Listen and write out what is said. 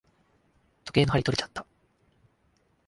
時計の針とれちゃった。